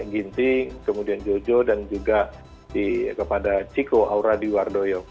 ginting kemudian jojo dan juga kepada ciko aura diwardoyo